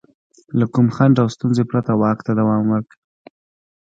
له کوم خنډ او ستونزې پرته واک ته دوام ورکړي.